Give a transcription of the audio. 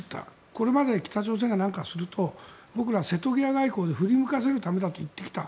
これまで北朝鮮が何かすると僕らは瀬戸際外交で振り向かせるためだと言ってきた。